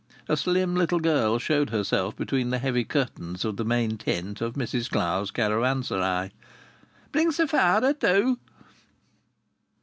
A slim little girl showed herself between the heavy curtains of the main tent of Mrs Clowes's caravanserai. "Bring Sapphira, too!"